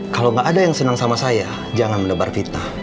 kalau gak ada yang senang sama saya jangan mendebar fitnah